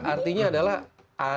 artinya adalah harus